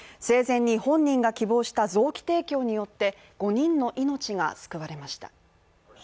生前に本人が希望した臓器提供によって５人の命が救われました。